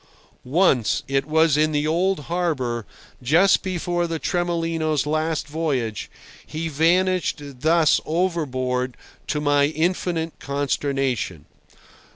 Once—it was in the old harbour, just before the Tremolino's last voyage—he vanished thus overboard to my infinite consternation.